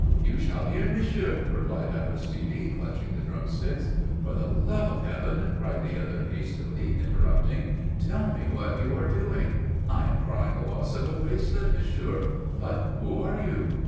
"You shall hear, monsieur," replied Aristide, clutching the drumsticks. "For the love of Heaven!" cried the other hastily interrupting. "Tell me what are you doing?" "I am crying the loss of a bracelet, monsieur!" "But who are you?"